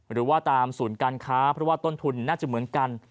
หรือว่าตามศูนย์การค้าเพราะว่าต้นทุนน่าจะเหมือนกัน